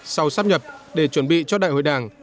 sau sắp nhập để chuẩn bị cho đại hội đảng